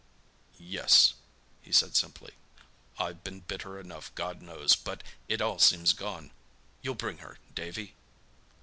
"Yes," he said simply. "I've been bitter enough God knows, but it all seems gone. You'll bring her, Davy?"